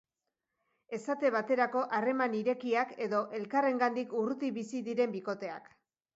Esate baterako, harreman irekiak, edo elkarrengandik urruti bizi diren bikoteak.